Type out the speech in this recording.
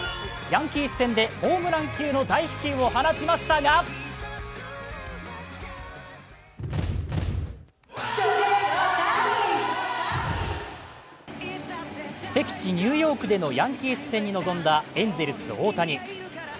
ヤンキース戦でホームラン級の大飛球を放ちましたが敵地・ニューヨークでのヤンキース戦に臨んだエンゼルスの大谷。